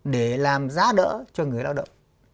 để làm giá đỡ cho người lao động